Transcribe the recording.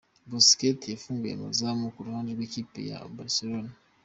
Busquets yafunguye amazamu ku ruhande rw’ikipe ya Barcelone.